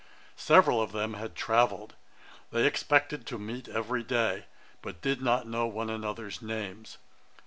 Several of them had travelled. They expected to meet every day; but did not know one another's names.